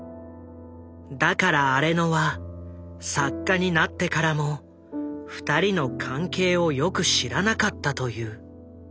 だから荒野は作家になってからも２人の関係をよく知らなかったという。